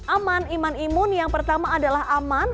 aman iman imun yang pertama adalah aman